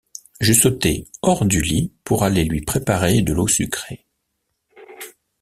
Je sautai hors du lit pour aller lui préparer de l’eau sucrée.